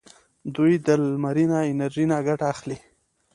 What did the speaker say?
دوی د لمرینه انرژۍ نه ګټه اخلي.